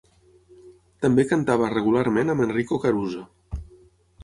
També cantava regularment amb Enrico Caruso.